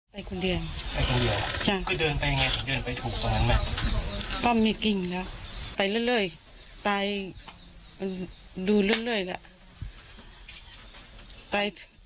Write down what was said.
ไปเรื่อยไปดูเรื่อยแหละ